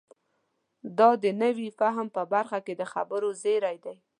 دا د نوي فهم په برخه کې د خبرو زړی دی.